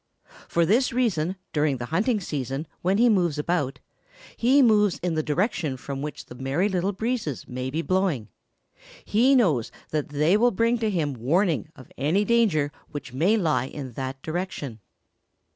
For this reason, during the hunting season when he moves about, he moves in the direction from which the Merry Little Breezes may be blowing. He knows that they will bring to him warning of any danger which may lie in that direction.